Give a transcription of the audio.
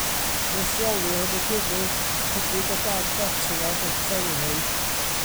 Fe'i lleolir yn y gwddf, ychydig o dan gartilag y thyroid.